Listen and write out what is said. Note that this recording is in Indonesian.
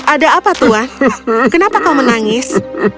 ada apa tuhan kenapa kau menangis